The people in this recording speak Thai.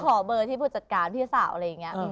ขอเบอร์ที่ผู้จัดการพี่สาวอะไรอย่างนี้